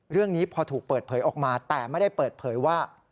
เรื่องนี้พอถูกเปิดเผยออกมาแต่ไม่ได้เปิดเผยว่า